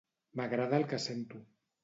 M'agrada el que sento.